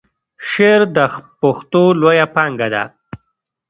شعر د پښتو لویه پانګه ده.